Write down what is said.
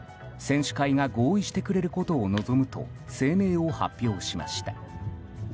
選手会が合意してくれることを望むと声明を発表しました。